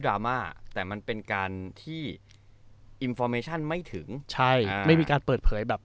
ตลาดมาแต่มันเป็นการที่ไม่ถึงใช่ไม่มีการเปิดเผยแบบ